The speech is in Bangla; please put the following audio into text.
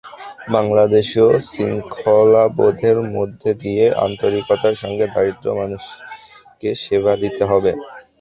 বাংলাদেশেও শৃঙ্খলাবোধের মধ্য দিয়ে আন্তরিকতার সঙ্গে দরিদ্র মানুষকে সেবা দিতে হবে।